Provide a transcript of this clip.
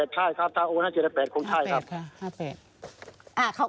อ๋อ๕๗๕๘ใช่ครับถ้าโอน๕๗๕๘คงใช่ครับ